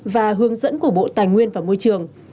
và hướng dẫn của bộ tài nguyên và môi trường